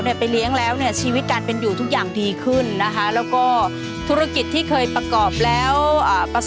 เราการเลี้ยงไก่พวกเนี้ยมันอยู่ที่ความศรัทธาแล้วก็ความเชื่อก่อนนะคะ